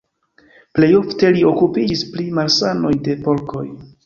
Plej ofte li okupiĝis pri malsanoj de porkoj.